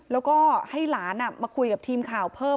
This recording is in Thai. แล้วก็ให้หลานมาคุยกับทีมข่าวเพิ่ม